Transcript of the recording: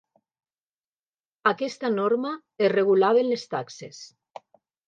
Aquesta norma es regulaven les taxes.